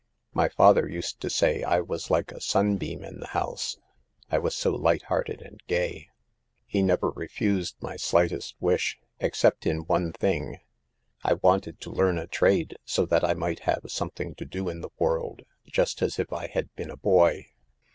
My father used to say I was like a sunbeam in the house, I was so light hearted and gay. He never refused my slightest wish, except in one thing : I wanted to learn a trade, so that I might have some thing to do in the world, just as if I had been a boy.